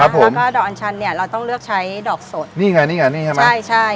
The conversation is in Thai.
แล้วก็ดอกอัญชันเนี่ยเราต้องเลือกใช้ดอกสดนี่ไงนี่ไงนี่ใช่ไหมใช่ใช่